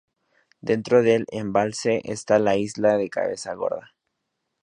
Dentro del embalse está la isla de Cabeza Gorda.